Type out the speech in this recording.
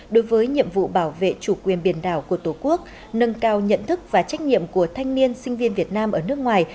đối với nhiệm vụ bảo vệ chủ quyền biển đảo của tổ quốc nâng cao nhận thức và trách nhiệm của thanh niên sinh viên việt nam ở nước ngoài